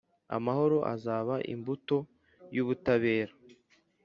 Amahoro azaba imbuto y’ubutabera,